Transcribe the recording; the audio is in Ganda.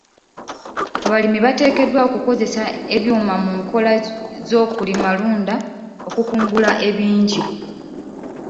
Abalimi bateekeddwa okukozesa ebyuma mu nkola z'okulimalunda okukungula ebingi.